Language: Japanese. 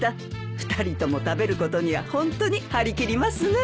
２人とも食べることにはホントに張り切りますね。